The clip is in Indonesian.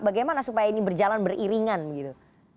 bagaimana supaya ini berjalan beriringan begitu